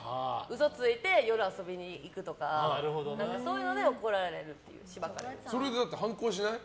嘘ついて、夜、遊びに行くとかそういうので怒られるそれ、反抗しない？